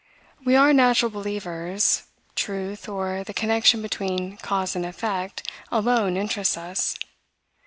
We are natural believers. Truth, or the connection between cause and effect, alone interests us.